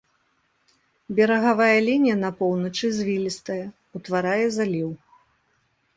Берагавая лінія на поўначы звілістая, утварае заліў.